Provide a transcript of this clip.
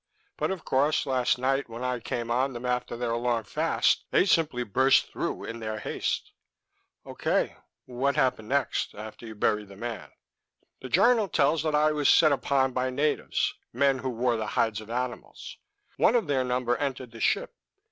But, of course, last night, when I came on them after their long fast, they simply burst through in their haste." "Okay. What happened next after you buried the man?" "The journal tells that I was set upon by natives, men who wore the hides of animals. One of their number entered the ship.